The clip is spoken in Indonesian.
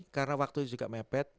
karena waktu itu juga mepet